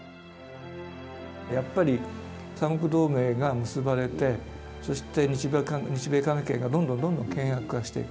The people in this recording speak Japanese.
やっぱり三国同盟が結ばれて日米関係がどんどんどんどん険悪化していく。